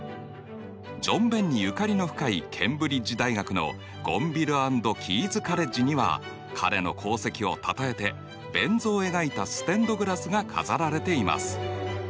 ジョン・ベンにゆかりの深いケンブリッジ大学のゴンヴィル・アンド・キーズ・カレッジには彼の功績をたたえてベン図を描いたステンドグラスが飾られています。